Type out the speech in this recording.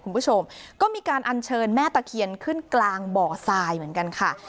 คุณผู้ชมก็มีการอัญเชิญแม่ตะเคียนขึ้นกลางบ่อทรายเหมือนกันค่ะ